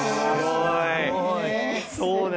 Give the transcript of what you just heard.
すごい。